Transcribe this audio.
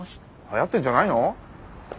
はやってんじゃないの？